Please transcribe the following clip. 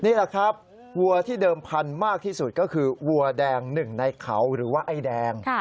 นี่แหละครับวัวที่เดิมพันธุ์มากที่สุดก็คือวัวแดงหนึ่งในเขาหรือว่าไอ้แดง